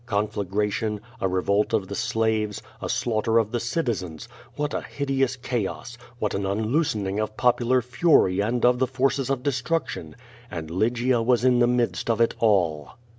Conflagration; a revolt of the slaves; a slaughter of the citizens! what a hideous chaos! what an unloosening of popular fury and of the forces of destruction! And Lygia was in the midst of it all!